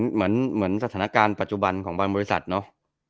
เหมือนสถานการณ์ปัจจุบันของบางบริษัทเนาะ